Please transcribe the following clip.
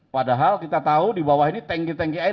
padahal kita tahu di bawah ini tengki tenki air